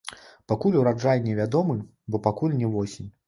Пакуль ураджай не вядомы, бо пакуль не восень.